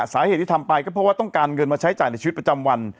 สาเหตุที่ทำไปก็เพราะว่าต้องการเงินมาใช้จ่ายในชีวิตประจำวัน